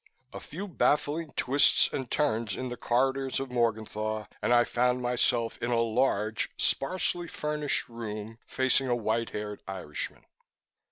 A few baffling twists and turns in the corridors of Morgenthau, and I found myself in a large, sparsely furnished room, facing a white haired Irishman.